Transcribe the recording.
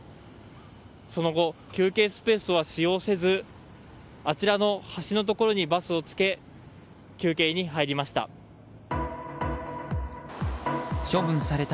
その後、休憩スペースを使用せずあちらの橋のところにバスをつけ休憩に入りました。